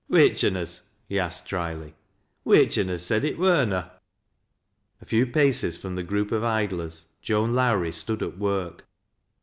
" "Which on us," he asked dryly ;" which on us said it wnr na ?" A few paces from the group of idlers Joan Lowrie stood at work.